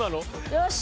よし！